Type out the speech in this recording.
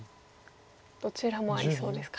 どちらもありそうですか。